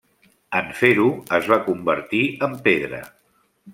En fer-ho, es va convertir en pedra.